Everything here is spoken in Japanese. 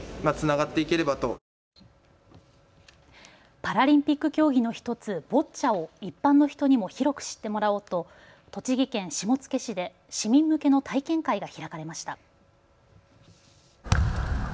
パラリンピック競技の１つ、ボッチャを一般の人にも広く知ってもらおうと栃木県下野市で市民向けの体験会が開かれました。